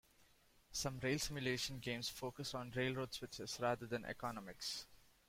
Some rail simulation games focus on railroad switches rather than economics.